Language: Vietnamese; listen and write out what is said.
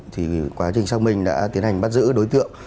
thì quá trình xác minh đã tiến hành bắt giữ đối tượng